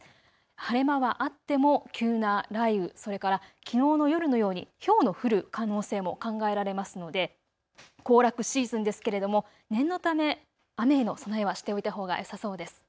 晴れ間はあっても急な雷雨、それからきのうの夜のようにひょうの降る可能性も考えられますので行楽シーズンですけれども念のため雨への備えはしておいたほうがよさそうです。